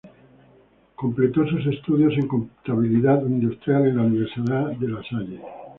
Completó sus estudios en Contabilidad Industrial en la Universidad de La Salle.